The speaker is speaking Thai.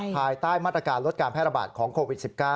ภายใต้มาตรการลดการแพร่ระบาดของโควิด๑๙